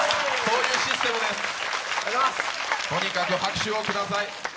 といったらとにかく拍手をください。